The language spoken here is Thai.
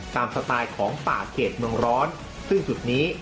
สไตล์ของป่าเกรดเมืองร้อนซึ่งจุดนี้